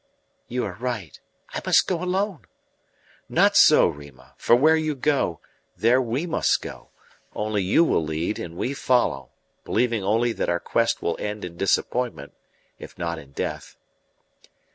"You are right; I must go alone." "Not so, Rima, for where you go, there we must go; only you will lead and we follow, believing only that our quest will end in disappointment, if not in death."